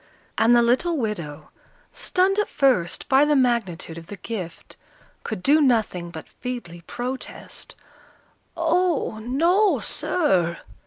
And the little widow, stunned at first by the magnitude of the gift, could do nothing but feebly protest, "Oh, no, sir!"